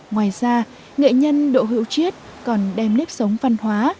ngoài ra nghệ nhân độ hữu triết còn đem nếp sống văn hóa